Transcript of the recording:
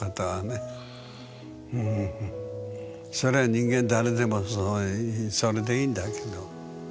それ人間誰でもそうそれでいんだけど。